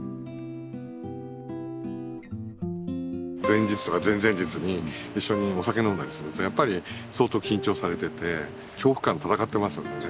前日とか前々日に一緒にお酒飲んだりするとやっぱり相当緊張されていて恐怖感と闘っていますのでね。